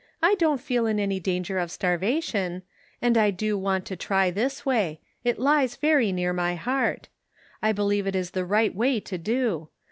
I don't feel in any danger of starvation ; and I do want to try this way ; it lies very near my heart. I believe it is the right way to do.